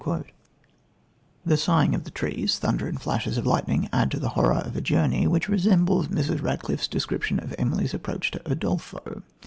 " The sighing of the trees, thunder and sudden flashes of lightning add to the horror of a journey, which resembles Mrs. Radcliffe's description of Emily's approach to Udolpho.